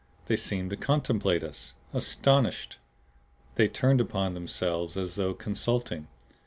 They seemed to contemplate us, astonished. They turned upon themselves, as though consulting.